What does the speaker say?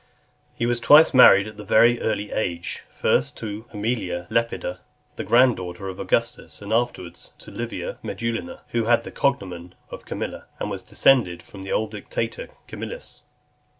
XXVI. He was twice married at a very early age, first to Aemilia Lepida, the grand daughter of Augustus, and afterwards to Livia Medullina, who had the cognomen of Camilla, and was descended from the old dictator Camillus.